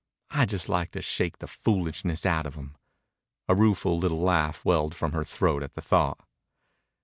I'd just like to shake the foolishness out of him." A rueful little laugh welled from her throat at the thought.